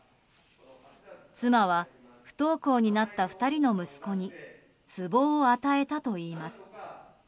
妻は不登校になった２人の息子に壺を与えたといいます。